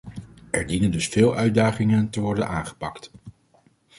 Er dienen dus veel uitdagingen te worden aangepakt.